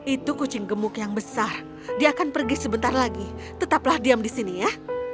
itu kucing gemuk yang besar dia akan pergi sebentar lagi tetaplah diam di sini ya